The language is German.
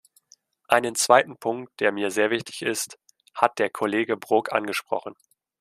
Einen zweiten Punkt, der mir sehr wichtig ist, hat der Kollege Brok angesprochen.